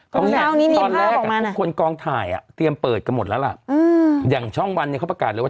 ตอนแรกคนกองถ่ายอ่ะเตรียมเปิดกันหมดแล้วล่ะอย่างช่องวันเนี่ยเขาประกาศเลยว่า